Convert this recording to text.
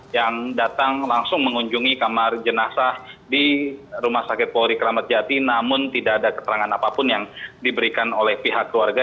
yang datang langsung mengunjungi kamar jenazah di rumah sakit polri kramat jati namun tidak ada keterangan apapun yang diberikan oleh pihak keluarga